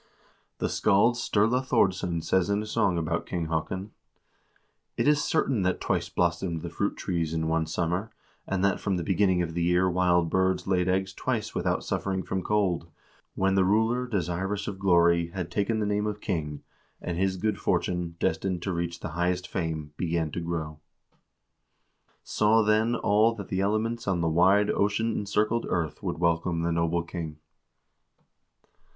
1 The scald Sturla Thordsson says in a song about King Haakon :" It is certain that twice blossomed the fruit trees in one summer, and that from the beginning of the year wild birds laid eggs twice without suffering from cold, when the ruler, desirous of glory, had taken the name of king, and his good fortune, destined to reach the highest fame, began to grow. " Saw, then, all that the elements on the wide ocean encircled earth would welcome the noble king."